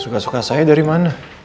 suka suka saya dari mana